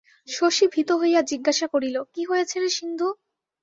শশী ভীত হইয়া জিজ্ঞাসা করিল, কী হয়েছে রে সিন্ধু?